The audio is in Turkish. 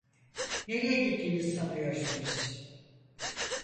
Nereye gittiğinizi sanıyorsunuz?